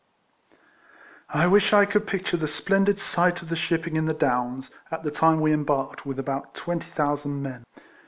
I WISH I could picture the splendid sight of the shipping in the Downs, at the time we embarked with about 20,000 men.